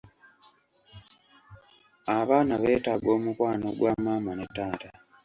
Abaana beetaaga omukwano gwamaama ne taata.